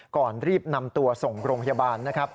ก่อนรีบนำตัวส่งโรงพยาบาล